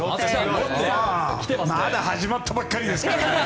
まだ始まったばかりですから！